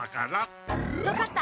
分かった。